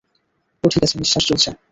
ও ঠিক আছে, নিশ্বাস চলছে।